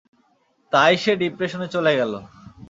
তাই সে ডিপ্রেশনে চলে গেল।